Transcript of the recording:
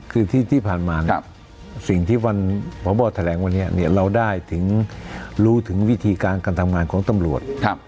คือที่ผ่านมาเนี่ยสิ่งที่วันพบแถลงวันนี้เราได้ถึงรู้ถึงวิธีการการทำงานของตำรวจ